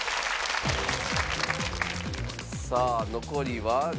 さあ残りは。